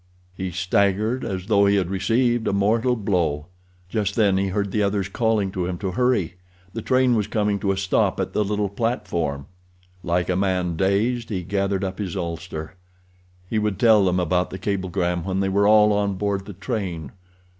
He staggered as though he had received a mortal blow. Just then he heard the others calling to him to hurry—the train was coming to a stop at the little platform. Like a man dazed he gathered up his ulster. He would tell them about the cablegram when they were all on board the train.